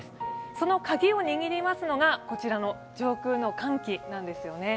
その鍵を握りますのが上空の寒気なんです。